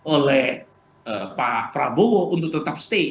oleh pak prabowo untuk tetap stay